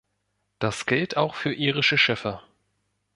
Das gilt auch für irische Schiffe.